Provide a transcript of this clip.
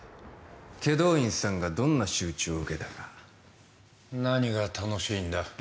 祁答院さんがどんな仕打ちを受けたか何が楽しいんだ？